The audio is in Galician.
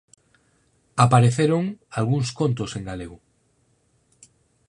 Apareceron algúns contos en galego.